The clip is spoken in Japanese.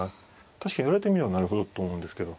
確かに言われてみればなるほどと思うんですけど。